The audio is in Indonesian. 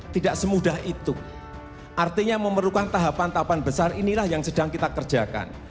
tidak semudah itu artinya memerlukan tahapan tahapan besar inilah yang sedang kita kerjakan